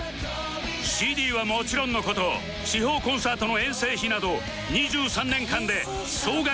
ＣＤ はもちろんの事地方コンサートの遠征費など２３年間で総額